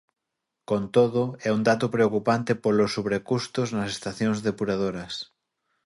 Con todo, é un dato preocupante polos sobrecustos nas estacións depuradoras.